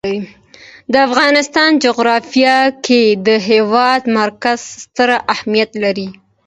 د افغانستان جغرافیه کې د هېواد مرکز ستر اهمیت لري.